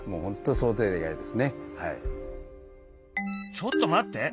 ちょっと待って。